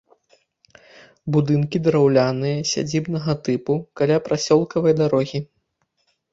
Будынкі драўляныя, сядзібнага тыпу, каля прасёлкавай дарогі.